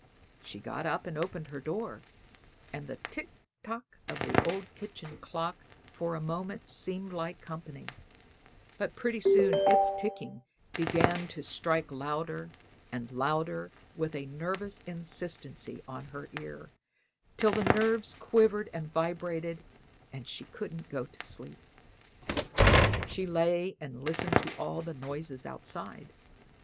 She got up and opened her door, and the "tick tock" of the old kitchen clock for a moment seemed like company; but pretty soon its ticking began to strike louder and louder with a nervous insistency on her ear, till the nerves quivered and vibrated, and she couldn't go to sleep. She lay and listened to all the noises outside.